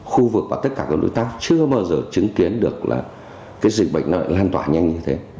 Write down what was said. khu vực và tất cả các đối tác chưa bao giờ chứng kiến được là cái dịch bệnh nó lại lan tỏa nhanh như thế